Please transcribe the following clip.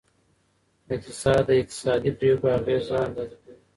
اقتصاد د اقتصادي پریکړو اغیزه اندازه کوي.